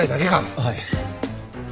はい。